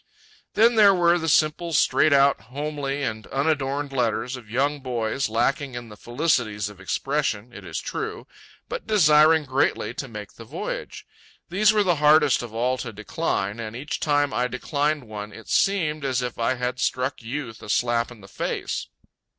Then there were the simple straight out, homely, and unadorned letters of young boys, lacking in the felicities of expression, it is true, but desiring greatly to make the voyage. These were the hardest of all to decline, and each time I declined one it seemed as if I had struck Youth a slap in the face.